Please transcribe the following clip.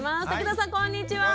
瀧澤さんこんにちは！